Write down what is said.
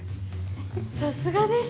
さすがです。